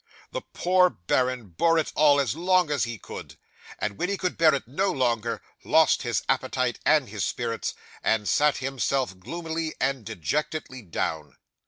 'The poor baron bore it all as long as he could, and when he could bear it no longer lost his appetite and his spirits, and sat himself gloomily and dejectedly down.